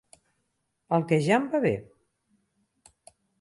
El que ja em va bé.